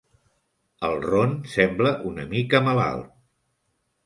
El Ron sembla una mica malalt.